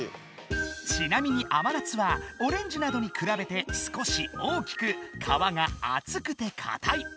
ちなみに甘夏はオレンジなどにくらべて少し大きく皮があつくてかたい。